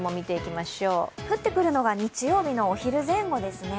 降ってくるのは日曜日のお昼前後ですね。